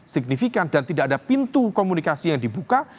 signifikan dan tidak ada pintu komunikasi yang dibuka